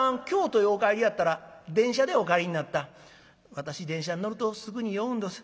「私電車に乗るとすぐに酔うんどす。